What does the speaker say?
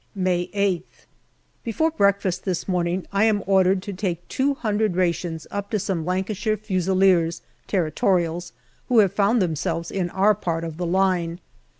May Sth. Before breakfast this morning I am ordered to take two hundred rations up to some Lancashire Fusiliers (Territorials) who have found themselves in our part of the line.